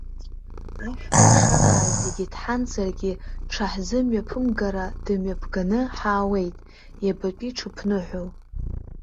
Ашәлашараа зегьы дҳанзаргьы дшаҳзымҩаԥымгара дымҩаԥганы ҳаауеит, иабатәи ҽыԥныҳәоу?!